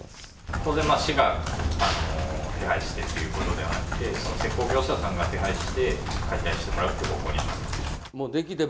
当然市が手配してということであって、そして施工会社さんが手配して解体してもらうという方向ですか。